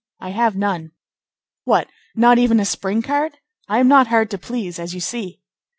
"I have none." "What! not even a spring cart? I am not hard to please, as you see."